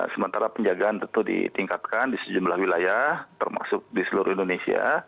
sementara penjagaan tentu ditingkatkan di sejumlah wilayah termasuk di seluruh indonesia